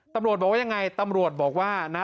ตำรวจบอกว่ายังไงตำรวจบอกว่านะ